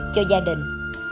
cho gia đình